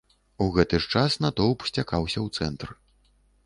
У гэты ж час натоўп сцякаўся ў цэнтр.